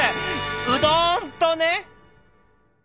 うどんとね。